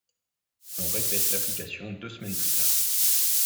On répète l'application deux semaines plus tard.